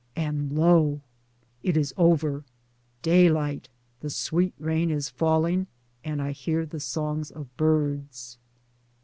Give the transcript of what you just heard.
and lo ! It is Over !— daylight ! the sweet rain is falling and I hear the songs of the birds.